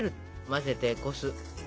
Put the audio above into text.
混ぜてこす。